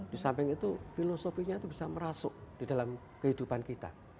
di samping itu filosofinya itu bisa merasuk di dalam kehidupan kita